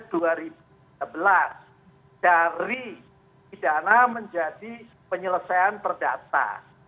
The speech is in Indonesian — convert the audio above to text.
dari pidana menjadi penyelesaian perdata